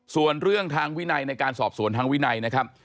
ส่วนเรื่องทางวินัยในการสอบสวนทางวินัยนะครับ